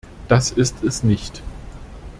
Das ist es nicht!